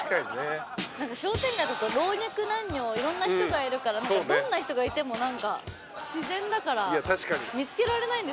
商店街だと老若男女いろんな人がいるからどんな人がいても自然だから見つけられないんですよ。